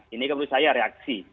ini menurut saya reaksi